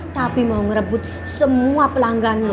tapi mau ngerebut semua pelanggan lo